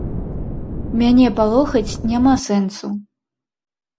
Мяне палохаць няма сэнсу.